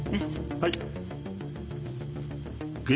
はい。